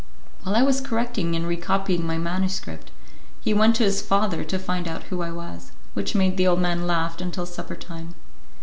While I was correcting and recopying my manuscript, he went to his father to find out who I was, which made the old man laugh until supper time.